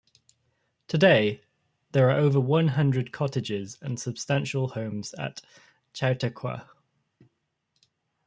Today, there are over one hundred cottages and substantial homes at Chautauqua.